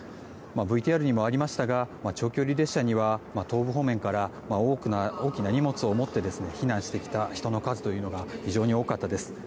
ＶＴＲにもありましたが長距離列車には東部方面から大きな荷物を持って避難してきた人の数が非常に多かったです。